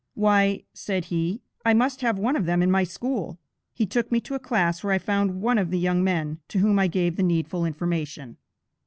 "Why," said he, "I must have one of them in my school." He took me to a class where I found one of the young men, to whom I gave the needful information.